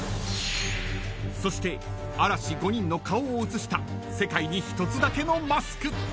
［そして嵐５人の顔を写した世界にひとつだけのマスク］